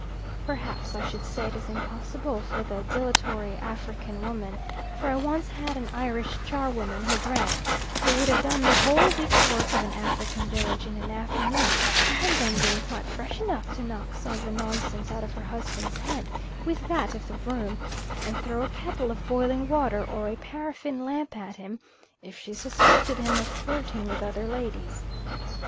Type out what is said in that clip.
Perhaps I should say it is impossible for the dilatory African woman, for I once had an Irish charwoman, who drank, who would have done the whole week's work of an African village in an afternoon, and then been quite fresh enough to knock some of the nonsense out of her husband's head with that of the broom, and throw a kettle of boiling water or a paraffin lamp at him, if she suspected him of flirting with other ladies.